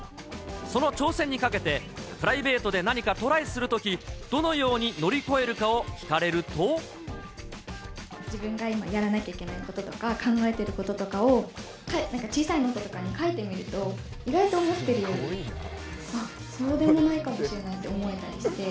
その挑戦にかけて、プライベートで何かトライするとき、どのように乗り越えるかを聞自分が今、やらなきゃいけないこととか、考えていることとかを、小さいノートとかに書いてみると、意外と思ったより、あ、そうでもないかもしれないって思えたりして。